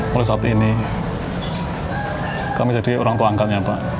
mulai saat ini kami jadi orangtuangganya pak